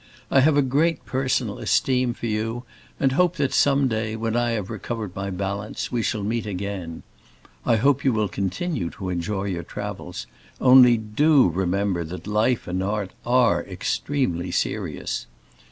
I have a great personal esteem for you and hope that some day, when I have recovered my balance, we shall meet again. I hope you will continue to enjoy your travels, only do remember that Life and Art are extremely serious.